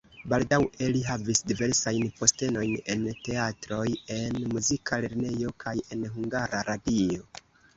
Baldaŭe li havis diversajn postenojn en teatroj, en muzika lernejo kaj en Hungara Radio.